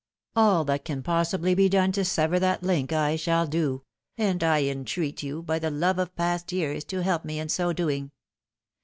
Afl that can possibly be done to sever that link I shall do ; and I entreat you, by the love of past years, to help me in so doing.